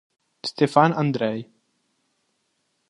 Ștefan Andrei